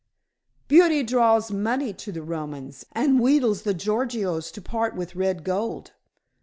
"Beauty draws money to the Romans, and wheedles the Gorgios to part with red gold.